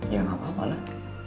ya gak apa apalah